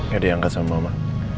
ya udah angkat sama mama